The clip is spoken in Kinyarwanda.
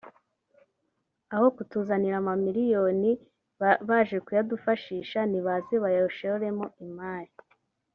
aho kutuzanira amamiliyoni baje kuyadufashisha nibaze bayashoremo imari”